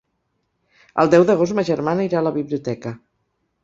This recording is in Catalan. El deu d'agost ma germana irà a la biblioteca.